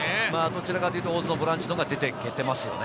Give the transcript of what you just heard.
どちらかというと、大津のボランチのほうが出ていけてますね。